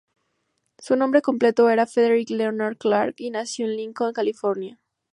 Su nombre completo era Frederick Leonard Clark, y nació en Lincoln, California.